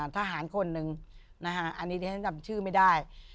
ทหารคนหนึ่งอันนี้ฉันจำชื่อไม่ได้